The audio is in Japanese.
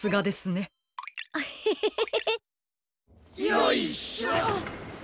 よいしょ。